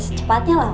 secepatnya lah om